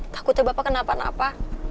takutnya bapak kenapa napa